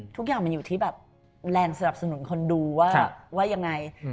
ทุกอย่างมันอยู่ที่แบบแรงสนับสนุนคนดูว่ายังไง